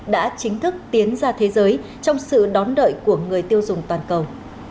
đã chính thức tiến ra thế giới trong sự đón đợi của người tiêu dùng toàn cầu